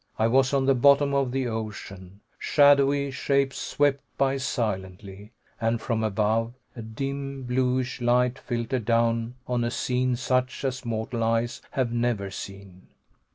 I was on the bottom of the ocean. Shadowy shapes swept by silently, and from above, a dim bluish light filtered down on a scene such as mortal eyes have never seen.